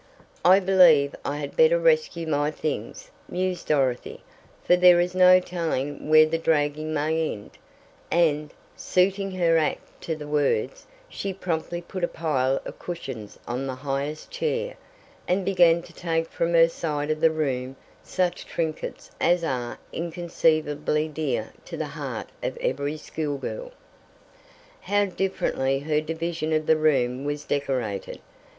"I believe I had better rescue my things," mused Dorothy, "for there is no telling where the dragging may end," and, suiting her act to the words, she promptly put a pile of cushions on the highest chair, and began to take from her side of the room such trinkets as are inconceivably dear to the heart of every schoolgirl. How differently her division of the room was decorated!